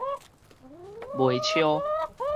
袂 𪁎